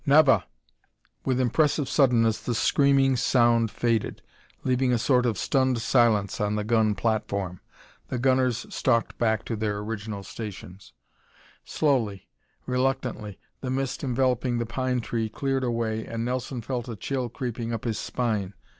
"Nava!" With impressive suddenness the screaming sound faded, leaving a sort of stunned silence on the gun platform. The gunners stalked back to their original stations. Slowly, reluctantly, the mist enveloping the pine tree cleared away and Nelson felt a chill creeping up his spine.